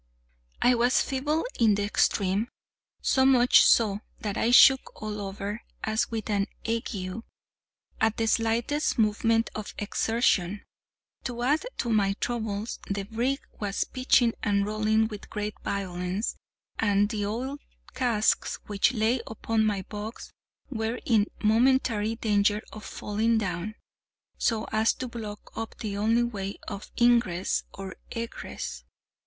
I was feeble in the extreme—so much so that I shook all over, as with an ague, at the slightest movement or exertion. To add to my troubles, the brig was pitching and rolling with great violence, and the oil casks which lay upon my box were in momentary danger of falling down, so as to block up the only way of ingress or egress.